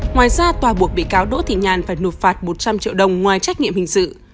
ngoài ra tòa buộc bị cáo đỗ thị nhàn phải nộp phạt một trăm linh triệu đồng ngoài trách nhiệm hình sự